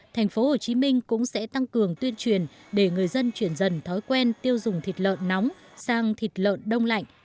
tp hcm cũng sẽ tăng cường tuyên truyền để người dân chuyển dần thói quen tiêu dùng thịt lợn nóng sang thịt lợn đông lạnh